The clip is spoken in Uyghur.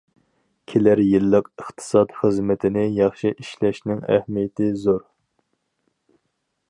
كېلەر يىللىق ئىقتىساد خىزمىتىنى ياخشى ئىشلەشنىڭ ئەھمىيىتى زور.